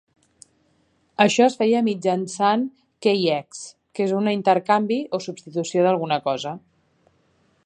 Això es feia mitjançant "k'ex", que és un intercanvi o substitució d'alguna cosa.